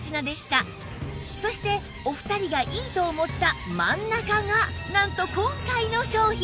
そしてお二人がいいと思った真ん中がなんと今回の商品